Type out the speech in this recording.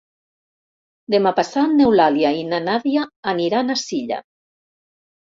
Demà passat n'Eulàlia i na Nàdia aniran a Silla.